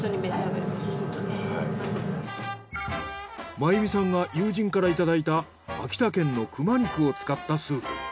麻由美さんが友人からいただいた秋田県の熊肉を使ったスープ。